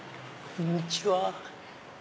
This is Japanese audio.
こんにちは。